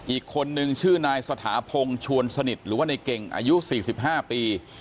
อีกคนนึงชื่อนายสถาพงศ์ชวนสนิทหรือว่าในเก่งอายุ๔๕ปี